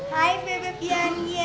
hai bebek yania